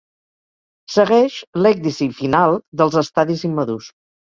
Segueix l'ècdisi final dels estadis immadurs.